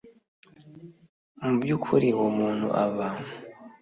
mu by ukuri uwo muntu aba